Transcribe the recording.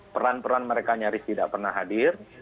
peran peran mereka nyaris tidak pernah hadir